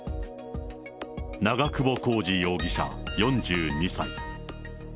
長久保浩二容疑者４２歳。